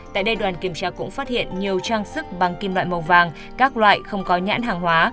tại đây đoàn kiểm tra cũng phát hiện nhiều trang sức bằng kim loại màu vàng các loại không có nhãn hàng hóa